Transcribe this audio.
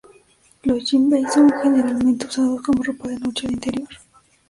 Los jinbei son generalmente usados como ropa de noche o de interior.